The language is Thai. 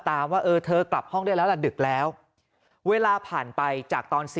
ว่าเออเธอกลับห้องได้แล้วล่ะดึกแล้วเวลาผ่านไปจากตอน๔